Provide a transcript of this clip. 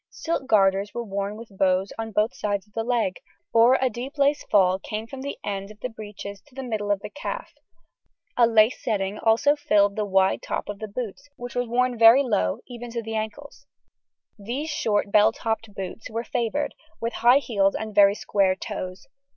Silk garters were worn with bows on both sides of the leg, or a deep lace fall came from the end of the breeches to the middle of the calf; a lace setting also filled the wide top of the boots, which was worn very low, even to the ankles. These short bell topped boots were favoured, with high heels and very square toes.